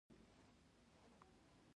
اقلیم د افغانستان د طبیعت برخه ده.